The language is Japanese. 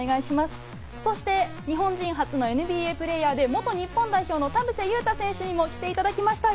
そして日本人初のＮＢＡプレーヤーで元日本代表の田臥勇太選手にも来ていただきました。